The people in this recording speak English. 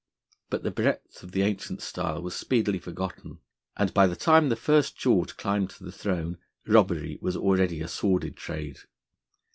But the breadth of the ancient style was speedily forgotten; and by the time the First George climbed to the throne, robbery was already a sordid trade.